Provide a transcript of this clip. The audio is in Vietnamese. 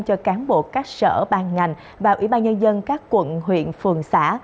cho cán bộ các sở ban ngành và ủy ban nhân dân các quận huyện phường xã